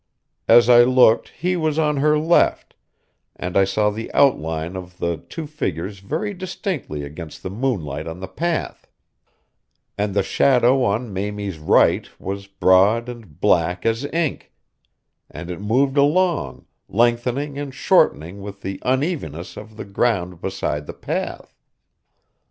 As I looked he was on her left, and I saw the outline of the two figures very distinctly against the moonlight on the path; and the shadow on Mamie's right was broad and black as ink, and it moved along, lengthening and shortening with the unevenness of the ground beside the path.